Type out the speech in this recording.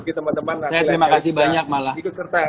bagi teman teman nanti lainnya bisa ikut sertai